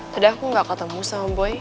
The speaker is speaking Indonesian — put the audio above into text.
padahal aku gak ketemu sama boy